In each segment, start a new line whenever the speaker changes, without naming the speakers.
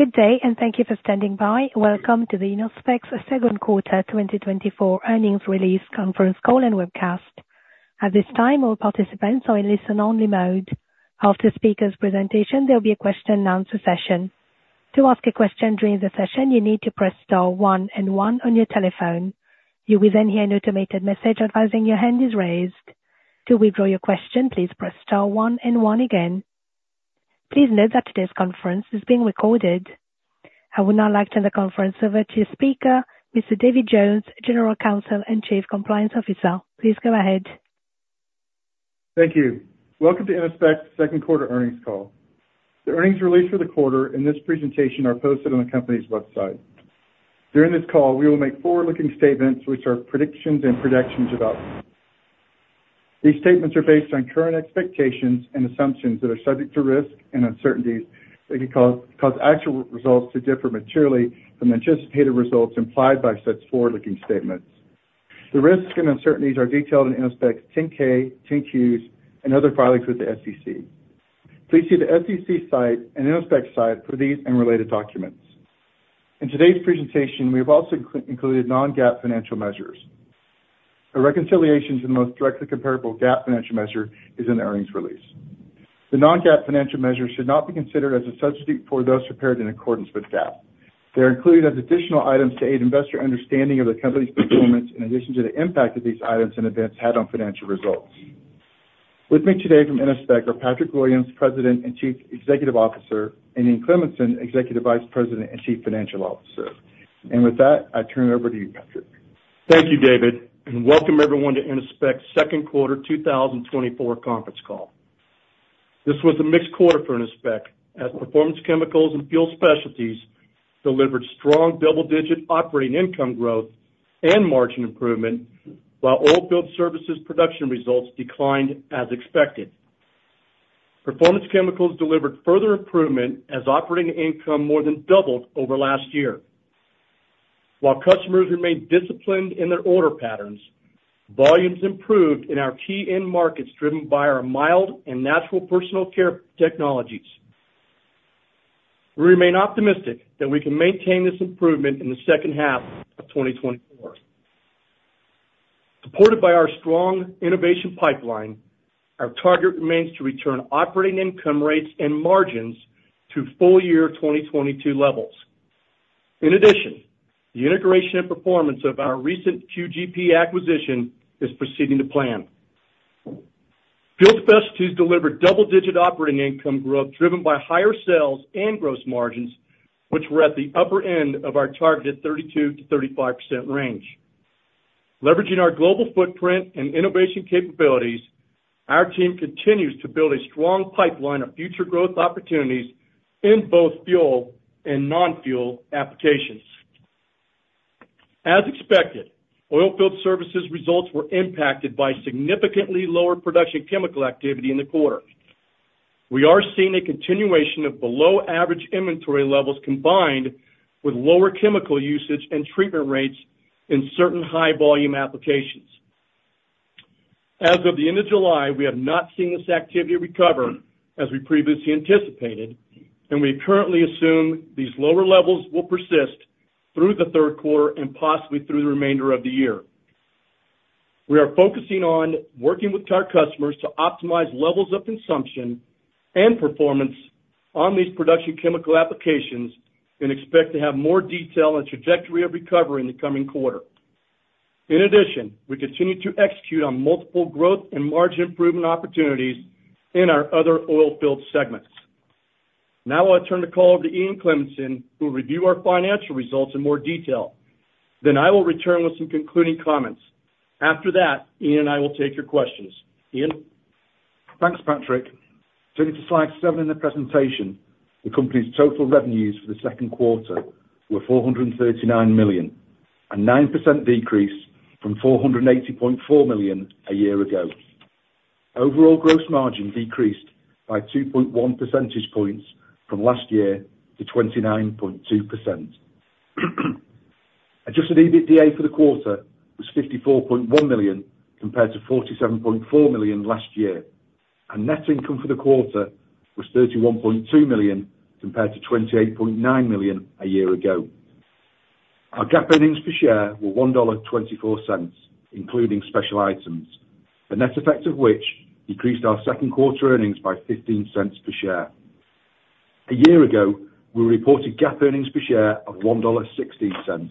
Good day, and thank you for standing by. Welcome to Innospec's second quarter 2024 earnings release conference call and webcast. At this time, all participants are in listen-only mode. After the speaker's presentation, there'll be a question and answer session. To ask a question during the session, you need to press star one and one on your telephone. You will then hear an automated message advising your hand is raised. To withdraw your question, please press star one and one again. Please note that today's conference is being recorded. I would now like to turn the conference over to your speaker, Mr. David Jones, General Counsel and Chief Compliance Officer. Please go ahead.
Thank you. Welcome to Innospec's second quarter earnings call. The earnings release for the quarter and this presentation are posted on the company's website. During this call, we will make forward-looking statements which are predictions and projections about... These statements are based on current expectations and assumptions that are subject to risk and uncertainties that could cause actual results to differ materially from anticipated results implied by such forward-looking statements. The risks and uncertainties are detailed in Innospec's 10-K, 10-Qs, and other filings with the SEC. Please see the SEC site and Innospec's site for these and related documents. In today's presentation, we have AMLO included non-GAAP financial measures. The reconciliations in the most directly comparable GAAP financial measure is in the earnings release. The non-GAAP financial measures should not be considered as a substitute for those prepared in accordance with GAAP. They're included as additional items to aid investor understanding of the company's performance, in addition to the impact of these items and events had on financial results. With me today from Innospec are Patrick Williams, President and Chief Executive Officer, and Ian Cleminson, Executive Vice President and Chief Financial Officer. With that, I turn it over to you, Patrick.
Thank you, David, and welcome everyone to Innospec's second quarter 2024 conference call. This was a mixed quarter for Innospec, as Performance Chemicals and Fuel Specialties delivered strong double-digit operating income growth and margin improvement, while Oilfield Services production results declined as expected. Performance Chemicals delivered further improvement as operating income more than doubled over last year. While customers remained disciplined in their order patterns, volumes improved in our key end markets, driven by our mild and natural personal care technologies. We remain optimistic that we can maintain this improvement in the second half of 2024. Supported by our strong innovation pipeline, our target remains to return operating income rates and margins to full year 2022 levels. In addition, the integration and performance of our recent QGP acquisition is proceeding to plan. Fuel Specialties delivered double-digit operating income growth, driven by higher sales and gross margins, which were at the upper end of our targeted 32%-35% range. Leveraging our global footprint and innovation capabilities, our team continues to build a strong pipeline of future growth opportunities in both fuel and non-fuel applications. As expected, Oilfield Services results were impacted by significantly lower production chemical activity in the quarter. We are seeing a continuation of below average inventory levels, combined with lower chemical usage and treatment rates in certain high volume applications. As of the end of July, we have not seen this activity recover as we previously anticipated, and we currently assume these lower levels will persist through the third quarter and possibly through the remainder of the year. We are focusing on working with our customers to optimize levels of consumption and performance on these production chemical applications and expect to have more detail on trajectory of recovery in the coming quarter. In addition, we continue to execute on multiple growth and margin improvement opportunities in our other oil field segments. Now I'll turn the call over to Ian Cleminson, who will review our financial results in more detail. Then I will return with some concluding comments. After that, Ian and I will take your questions. Ian?
Thanks, Patrick. Turning to slide 7 in the presentation, the company's total revenues for the second quarter were $439 million, a 9% decrease from $480.4 million a year ago. Overall gross margin decreased by 2.1 percentage points from last year to 29.2%. Adjusted EBITDA for the quarter was $54.1 million, compared to $47.4 million last year, and net income for the quarter was $31.2 million, compared to $28.9 million a year ago. Our GAAP earnings per share were $1.24, including special items, the net effect of which decreased our second quarter earnings by $0.15 per share. A year ago, we reported GAAP earnings per share of $1.16,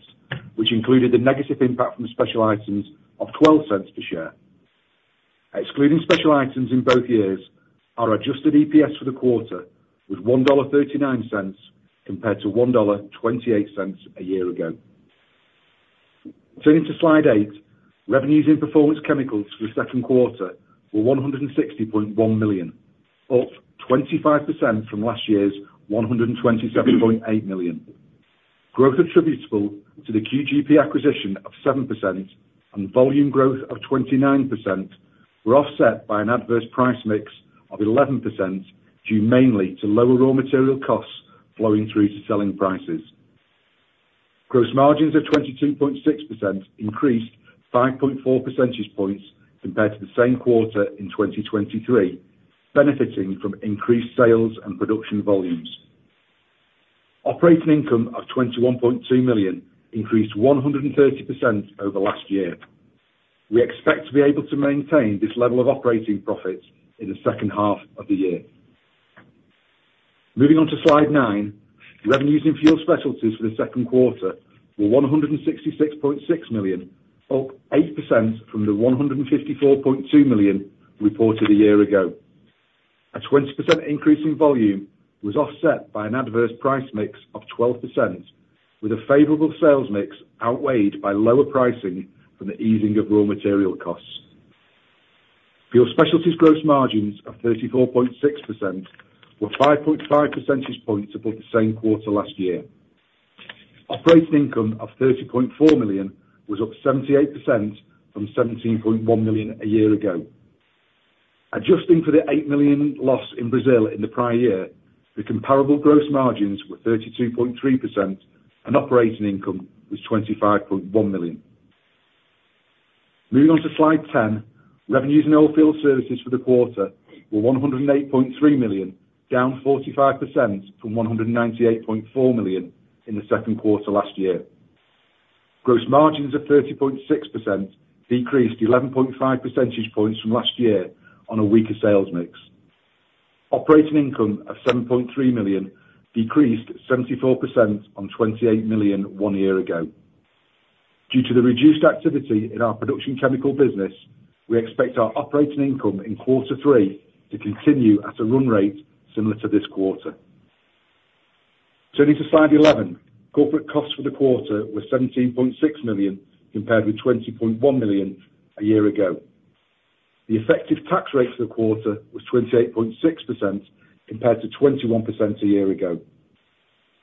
which included a negative impact from special items of $0.12 per share. Excluding special items in both years, our adjusted EPS for the quarter was $1.39, compared to $1.28 a year ago. Turning to slide 8, revenues in Performance Chemicals for the second quarter were $160.1 million, up 25% from last year's $127.8 million. Growth attributable to the QGP acquisition of 7% and volume growth of 29% were offset by an adverse price mix of 11%, due mainly to lower raw material costs flowing through to selling prices. Gross margins of 22.6% increased 5.4 percentage points compared to the same quarter in 2023, benefiting from increased sales and production volumes. Operating income of $21.2 million increased 130% over last year. We expect to be able to maintain this level of operating profits in the second half of the year. Moving on to Slide 9. Revenues in Fuel Specialties for the second quarter were $166.6 million, up 8% from the $154.2 million reported a year ago. A 20% increase in volume was offset by an adverse price mix of 12%, with a favorable sales mix outweighed by lower pricing from the easing of raw material costs. Fuel Specialties gross margins of 34.6% were 5.5 percentage points above the same quarter last year. Operating income of $30.4 million was up 78% from $17.1 million a year ago. Adjusting for the $8 million loss in Brazil in the prior year, the comparable gross margins were 32.3%, and operating income was $25.1 million. Moving on to slide 10. Revenues in Oilfield Services for the quarter were $108.3 million, down 45% from $198.4 million in the second quarter last year. Gross margins of 30.6% decreased 11.5 percentage points from last year on a weaker sales mix. Operating income of $7.3 million decreased 74% on $28 million one year ago. Due to the reduced activity in our production chemical business, we expect our operating income in quarter three to continue at a run rate similar to this quarter. Turning to slide 11. Corporate costs for the quarter were $17.6 million, compared with $20.1 million a year ago. The effective tax rate for the quarter was 28.6%, compared to 21% a year ago.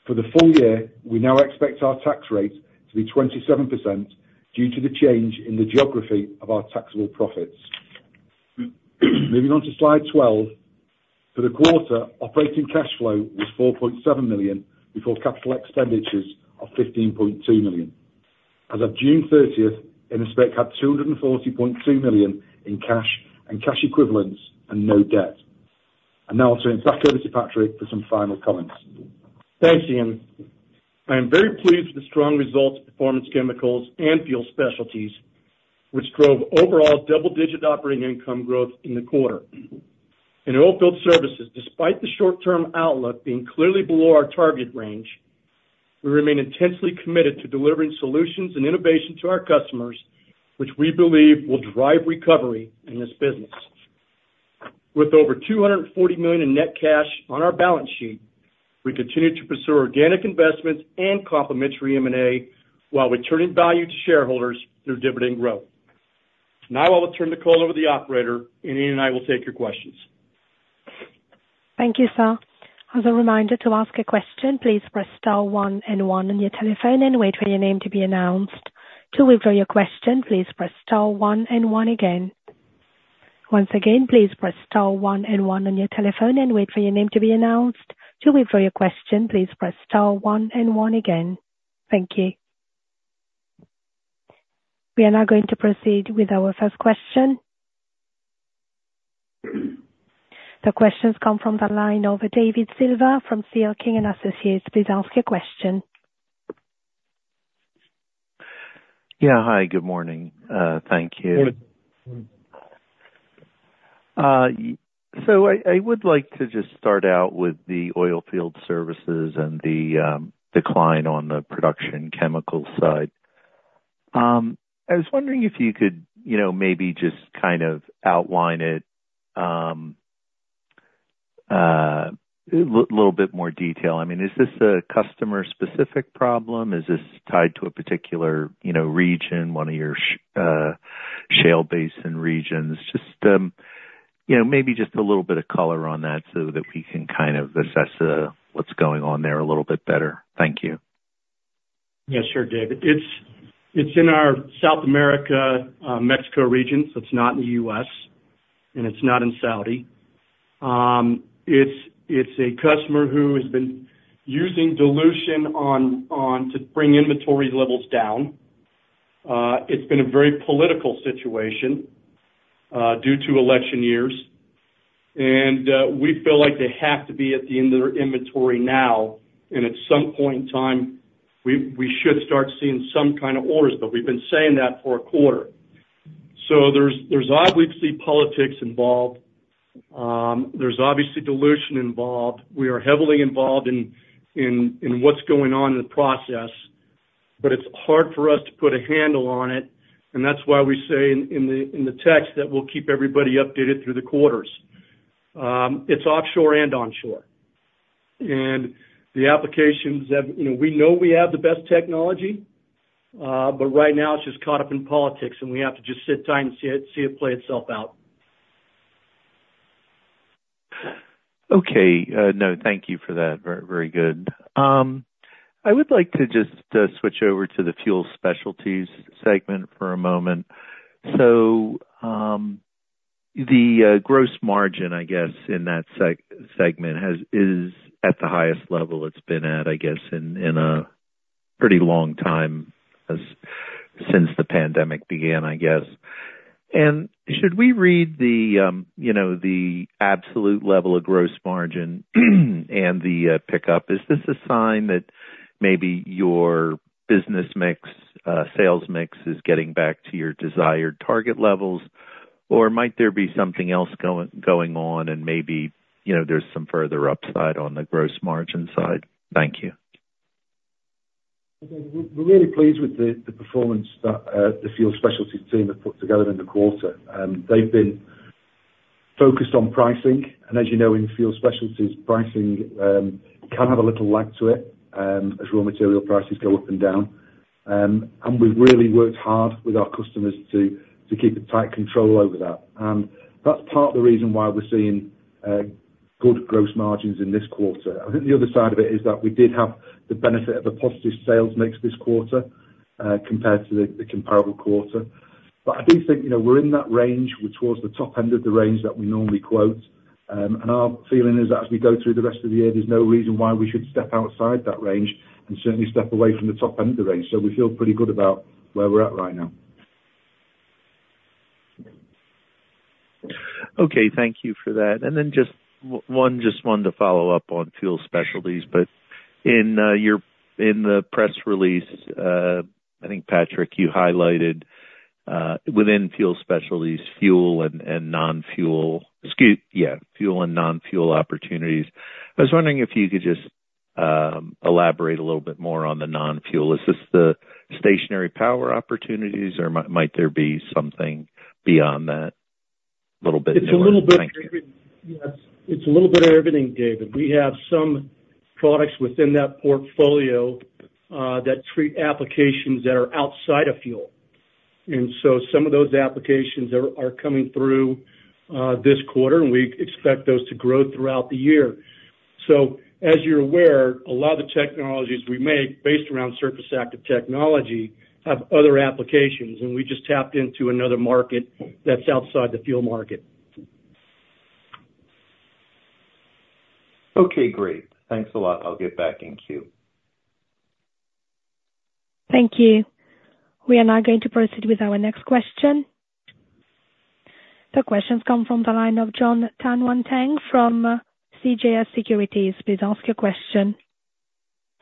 For the full year, we now expect our tax rate to be 27% due to the change in the geography of our taxable profits. Moving on to slide 12. For the quarter, operating cash flow was $4.7 million, before capital expenditures of $15.2 million. As of June thirtieth, Innospec had $240.2 million in cash and cash equivalents and no debt. Now I'll turn it back over to Patrick for some final comments.
Thanks, Ian. I am very pleased with the strong results of Performance Chemicals and Fuel Specialties, which drove overall double-digit operating income growth in the quarter. In Oilfield Services, despite the short-term outlook being clearly below our target range, we remain intensely committed to delivering solutions and innovation to our customers, which we believe will drive recovery in this business. With over $240 million in net cash on our balance sheet, we continue to pursue organic investments and complementary M&A, while returning value to shareholders through dividend growth. Now I will turn the call over to the operator, and Ian and I will take your questions.
Thank you, sir. As a reminder, to ask a question, please press star one and one on your telephone and wait for your name to be announced. To withdraw your question, please press star one and one again. Once again, please press star one and one on your telephone and wait for your name to be announced. To withdraw your question, please press star one and one again. Thank you. We are now going to proceed with our first question. The question comes from the line of David Silver from CL King & Associates. Please ask your question.
Yeah. Hi, good morning. Thank you.
David.
So I would like to just start out with the oilfield services and the decline on the production chemical side. I was wondering if you could, you know, maybe just kind of outline it a little bit more detail. I mean, is this a customer-specific problem? Is this tied to a particular, you know, region, one of your shale basin regions? Just, you know, maybe just a little bit of color on that so that we can kind of assess what's going on there a little bit better. Thank you.
Yeah, sure, David. It's in our South America, Mexico region, so it's not in the US, and it's not in Saudi. It's a customer who has been using dilution on to bring inventory levels down. It's been a very political situation due to election years, and we feel like they have to be at the end of their inventory now, and at some point in time, we should start seeing some kind of orders, but we've been saying that for a quarter. So there's obviously politics involved. There's obviously dilution involved. We are heavily involved in what's going on in the process, but it's hard for us to put a handle on it, and that's why we say in the text that we'll keep everybody updated through the quarters. It's offshore and onshore, and the applications that... You know, we know we have the best technology, but right now, it's just caught up in politics, and we have to just sit tight and see it, see it play itself out.
Okay. No, thank you for that. Very, very good. I would like to just switch over to the Fuel Specialties segment for a moment. The gross margin, I guess, in that segment is at the highest level it's been at, I guess, in a pretty long time since the pandemic began, I guess. And should we read the, you know, the absolute level of gross margin and the pickup, is this a sign that maybe your business mix sales mix is getting back to your desired target levels? Or might there be something else going on, and maybe, you know, there's some further upside on the gross margin side? Thank you.
We're really pleased with the performance that the Fuel Specialties team have put together in the quarter. They've been focused on pricing, and as you know, in Fuel Specialties, pricing can have a little lag to it, as raw material prices go up and down. And we've really worked hard with our customers to keep a tight control over that. And that's part of the reason why we're seeing good gross margins in this quarter. I think the other side of it is that we did have the benefit of a positive sales mix this quarter, compared to the comparable quarter. But I do think, you know, we're in that range, we're towards the top end of the range that we normally quote. Our feeling is, as we go through the rest of the year, there's no reason why we should step outside that range and certainly step away from the top end of the range. We feel pretty good about where we're at right now.
Okay. Thank you for that. And then just one to follow up on Fuel Specialties. But in your press release, I think, Patrick, you highlighted within Fuel Specialties, fuel and non-fuel opportunities. I was wondering if you could just elaborate a little bit more on the non-fuel. Is this the stationary power opportunities, or might there be something beyond that? Little bit more. Thank you.
It's a little bit of everything, David. We have some products within that portfolio that treat applications that are outside of fuel. And so some of those applications are coming through this quarter, and we expect those to grow throughout the year. So as you're aware, a lot of the technologies we make, based around surface-active technology, have other applications, and we just tapped into another market that's outside the fuel market.
Okay, great. Thanks a lot. I'll get back in queue.
Thank you. We are now going to proceed with our next question. The question's come from the line of Jon Tanwanteng from CJS Securities. Please ask your question.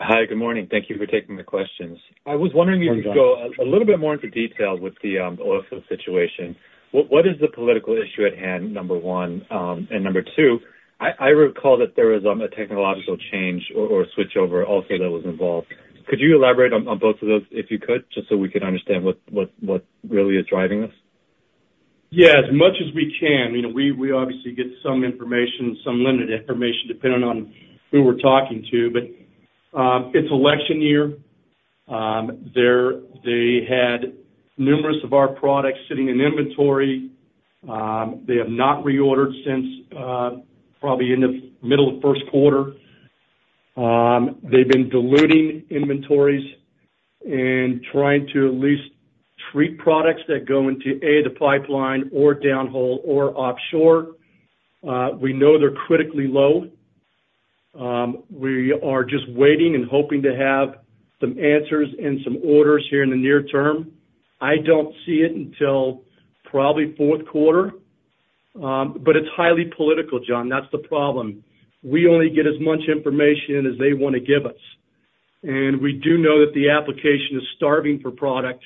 Hi, good morning. Thank you for taking the questions.
Morning, John.
I was wondering if you could go a little bit more into detail with the also situation. What is the political issue at hand, number one? And number two, I recall that there was a technological change or switchover also that was involved. Could you elaborate on both of those, if you could, just so we can understand what really is driving this?
Yeah, as much as we can. You know, we obviously get some information, some limited information, depending on who we're talking to. But it's election year. They had numerous of our products sitting in inventory. They have not reordered since probably in the middle of first quarter. They've been diluting inventories and trying to at least treat products that go into a, the pipeline or downhole or offshore. We know they're critically low. We are just waiting and hoping to have some answers and some orders here in the near term. I don't see it until probably fourth quarter, but it's highly political, John, that's the problem. We only get as much information as they want to give us, and we do know that the application is starving for product.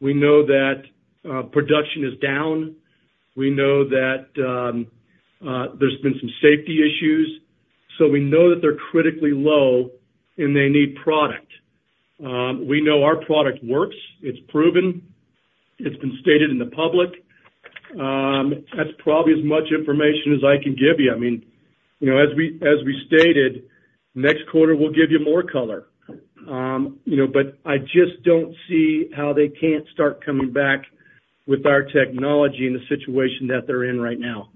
We know that production is down. We know that, there's been some safety issues. So we know that they're critically low, and they need product. We know our product works. It's proven. It's been stated in the public. That's probably as much information as I can give you. I mean, you know, as we stated, next quarter will give you more color. You know, but I just don't see how they can't start coming back with our technology in the situation that they're in right now.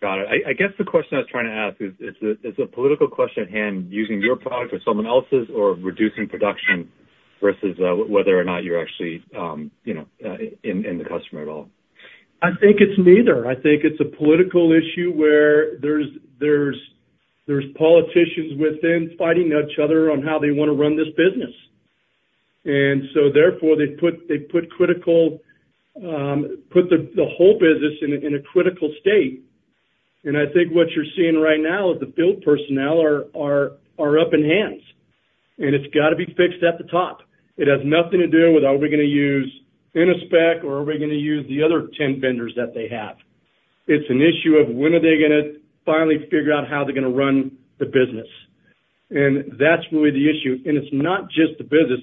Got it. I guess the question I was trying to ask is, is the political question at hand using your product or someone else's, or reducing production versus whether or not you're actually you know in the customer at all?
I think it's neither. I think it's a political issue where there's politicians within fighting each other on how they want to run this business. And so therefore, they put the whole business in a critical state. And I think what you're seeing right now is the oil personnel are up in arms, and it's got to be fixed at the top. It has nothing to do with are we gonna use Innospec or are we gonna use the other 10 vendors that they have? It's an issue of when are they gonna finally figure out how they're gonna run the business, and that's really the issue. And it's not just the business,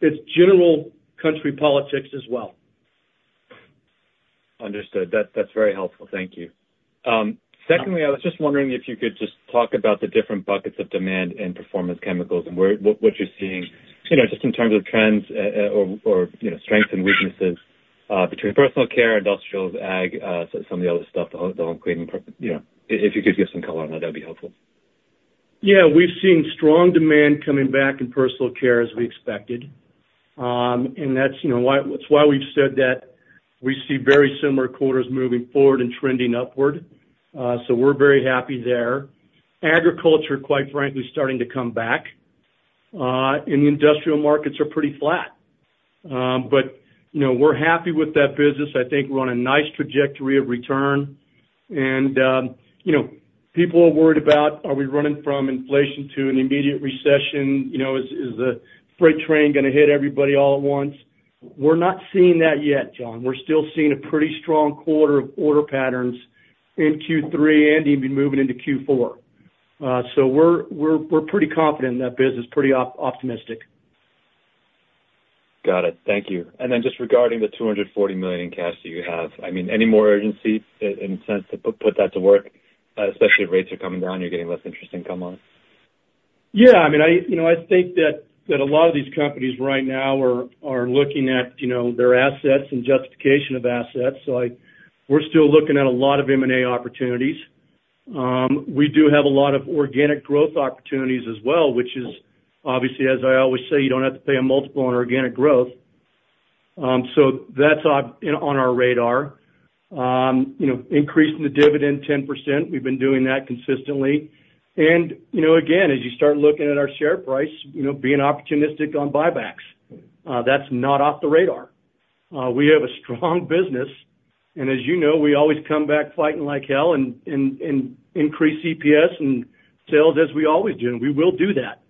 it's general country politics as well.
Understood. That's, that's very helpful. Thank you. Secondly, I was just wondering if you could just talk about the different buckets of demand in performance chemicals and where, what, what you're seeing, you know, just in terms of trends, or, or, you know, strengths and weaknesses, between personal care, industrials, ag, so some of the other stuff, the home, the home cleaning product, you know, if you could give some color on that, that'd be helpful....
Yeah, we've seen strong demand coming back in personal care as we expected. And that's, you know, why it's why we've said that we see very similar quarters moving forward and trending upward. So we're very happy there. Agriculture, quite frankly, is starting to come back, and the industrial markets are pretty flat. But, you know, we're happy with that business. I think we're on a nice trajectory of return. And, you know, people are worried about, are we running from inflation to an immediate recession? You know, is the freight train gonna hit everybody all at once? We're not seeing that yet, John. We're still seeing a pretty strong quarter of order patterns in Q3 and even moving into Q4. So we're pretty confident in that business, pretty optimistic.
Got it. Thank you. And then just regarding the $240 million in cash that you have, I mean, any more urgency in sense to put, put that to work, especially if rates are coming down, you're getting less interest income on?
Yeah, I mean, you know, I think that a lot of these companies right now are looking at, you know, their assets and justification of assets. So we're still looking at a lot of M&A opportunities. We do have a lot of organic growth opportunities as well, which is obviously, as I always say, you don't have to pay a multiple on organic growth. So that's on our radar. You know, increasing the dividend 10%, we've been doing that consistently. And, you know, again, as you start looking at our share price, you know, being opportunistic on buybacks, that's not off the radar. We have a strong business, and as you know, we always come back fighting like hell and increase EPS and sales as we always do, and we will do that.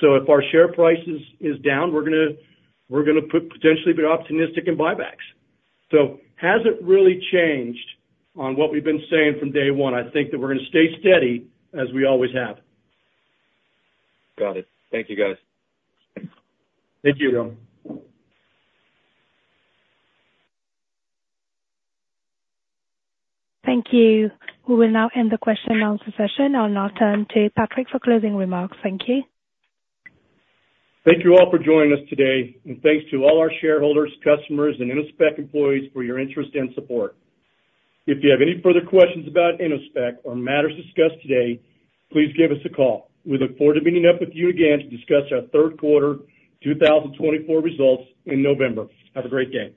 So if our share price is down, we're gonna potentially be optimistic in buybacks. So hasn't really changed on what we've been saying from day one. I think that we're gonna stay steady, as we always have.
Got it. Thank you, guys.
Thank you.
Thank you. We will now end the question and answer session. I'll now turn to Patrick for closing remarks. Thank you.
Thank you all for joining us today, and thanks to all our shareholders, customers, and Innospec employees for your interest and support. If you have any further questions about Innospec or matters discussed today, please give us a call. We look forward to meeting up with you again to discuss our third quarter 2024 results in November. Have a great day.